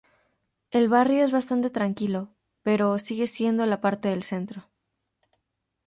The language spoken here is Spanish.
El barrio es bastante tranquilo, pero sigue siendo la parte del centro.